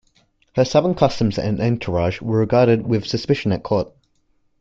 Her southern customs and entourage were regarded with suspicion at court.